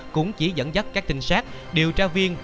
cũng chỉ dẫn dắt các trinh sát điều tra viên